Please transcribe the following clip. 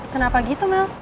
kenapa gitu mel